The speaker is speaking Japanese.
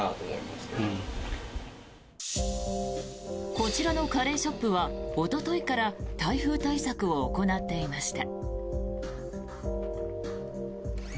こちらのカレーショップはおとといから台風対策を行っていました。